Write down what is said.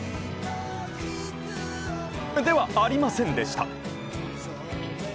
ではありませんでした。